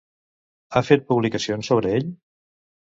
Ha fet publicacions sobre ell?